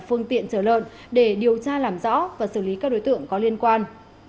phương tiện trở lợn để điều tra làm rõ và xử lý các đối tượng có liên quan